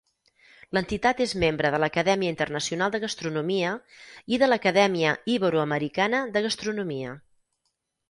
L'entitat és membre de l'Acadèmia Internacional de Gastronomia i de l'Acadèmia Iberoamericana de Gastronomia.